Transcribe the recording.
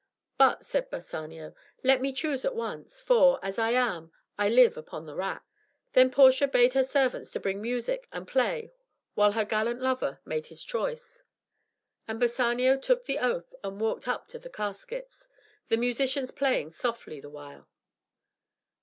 "But," said Bassanio, "let me choose at once, for, as I am, I live upon the rack." Then Portia bade her servants to bring music and play while her gallant lover made his choice. And Bassanio took the oath and walked up to the caskets the musicians playing softly the while.